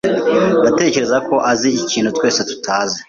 Ndatekereza ko azi ikintu twese tutazi.